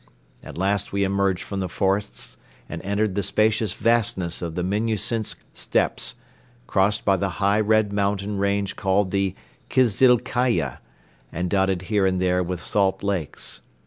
At last we emerged from the forests and entered the spacious vastness of the Minnusinsk steppes, crossed by the high red mountain range called the "Kizill Kaiya" and dotted here and there with salt lakes.